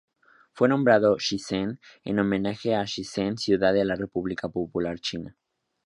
Fue nombrado Shenzhen en homenaje a Shenzhen ciudad de la República Popular China.